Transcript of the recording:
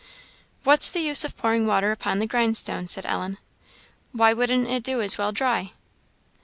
"What's the use of pouring water upon the grindstone?" said Ellen; "why wouldn't it do as well dry?"